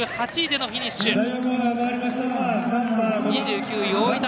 ２８位でのフィニッシュ。